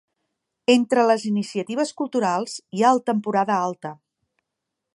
Entre les iniciatives culturals, hi ha el Temporada Alta.